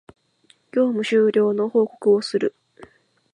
業務終了の報告をする